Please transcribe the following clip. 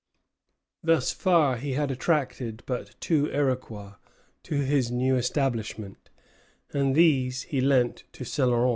Thus far he had attracted but two Iroquois to his new establishment; and these he lent to Céloron.